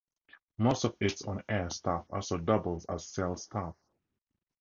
Most of its on air staff also doubles as sales staff.